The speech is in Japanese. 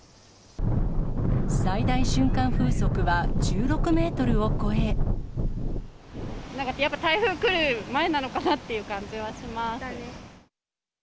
最大瞬間風速は１６メートルなんかやっぱり、台風来る前なのかなという感じはします。